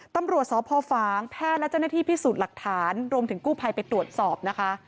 ตำรวจสพฝางแพทย์และเจ้าหน้าที่พิสูจน์หลักฐานรวมถึงกู้ภัยไปตรวจสอบนะคะ